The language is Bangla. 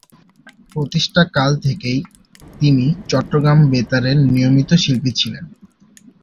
প্রতিষ্ঠাকাল থেকেই তিনি চট্টগ্রাম বেতারের নিয়মিত শিল্পী ছিলেন।